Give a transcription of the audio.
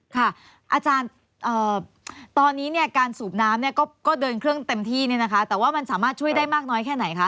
ค่ะอาจารย์ตอนนี้การสูบน้ำก็เดินเครื่องเต็มที่แต่ว่ามันสามารถช่วยได้มากน้อยแค่ไหนคะ